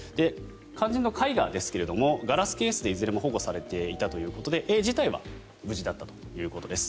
肝心の絵画ですがガラスケースでいずれも保護されていたということで絵自体は無事だったということです。